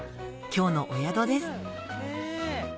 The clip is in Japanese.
今日のお宿です